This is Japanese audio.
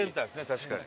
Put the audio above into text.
確かに。